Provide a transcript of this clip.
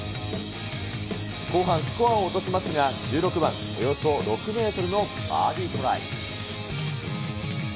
後半スコアを落としますが、１６番、およそ６メートルのバーディートライ。